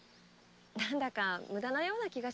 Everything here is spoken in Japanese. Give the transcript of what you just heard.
何だか無駄なような気がします。